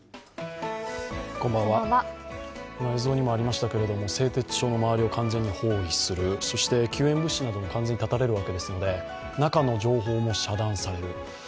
今、映像にもありましたけれども製鉄所の周りを完全に包囲する、そして救援物資なども完全に絶たれるわけですので中の情報も遮断される。